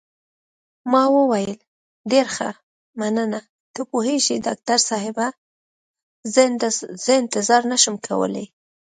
ما وویل: ډېر ښه، مننه، ته پوهېږې ډاکټر صاحبه، زه انتظار نه شم کولای.